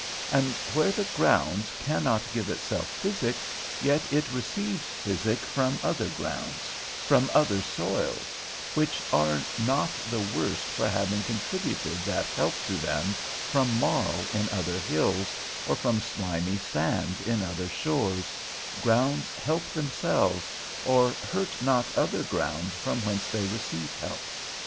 And where the ground cannot give itself physic, yet it receives physic from other grounds, from other soils, which are not the worse for having contributed that help to them from marl in other hills, or from slimy sand in other shores, grounds help themselves, or hurt not other grounds from whence they receive help.